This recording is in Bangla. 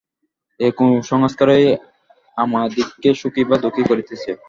এই কুসংস্কারই আমাদিগকে সুখী বা দুঃখী করিতেছে।